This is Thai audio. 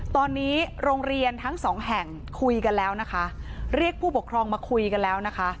ตอนนี้โรงเรียนทั้งสองแห่งคุยกันแล้วนะคะเรียกผู้ปกครองมาคุยกันแล้วนะคะ